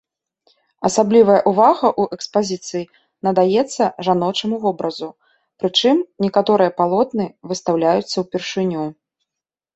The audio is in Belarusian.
Асаблівая ўвага ў экспазіцыі надаецца жаночаму вобразу, прычым некаторыя палотны выстаўляюцца ўпершыню.